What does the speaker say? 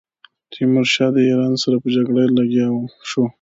تیمورشاه د ایران سره په جګړه لګیا شو.